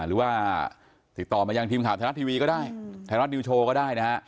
หรือว่าติดต่อมายังทีมข่าวไทยรัฐทีวีก็ได้ไทยรัฐนิวโชว์ก็ได้นะฮะ